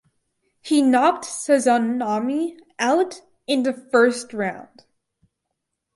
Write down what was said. He knocked Sazanami out in the first round.